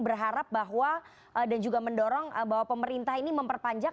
berharap bahwa dan juga mendorong bahwa pemerintah ini memperpanjang